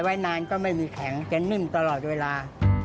ไว้นานก็ไม่มีแข็งแกนิ่มตลอดเวลา